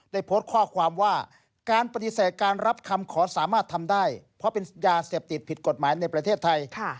ได้โพสต์ข้อความว่าการปฏิเสธการรับคำขอสามารถทำได้เพราะเป็นยาเสพติดผิดกฎหมายในประเทศไทย